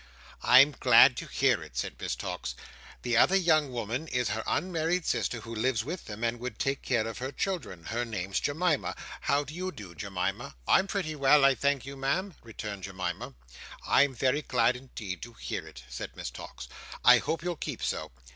"I'm glad to hear it," said Miss Tox. "The other young woman is her unmarried sister who lives with them, and would take care of her children. Her name's Jemima. How do you do, Jemima?" "I'm pretty well, I thank you, Ma'am," returned Jemima. "I'm very glad indeed to hear it," said Miss Tox. "I hope you'll keep so.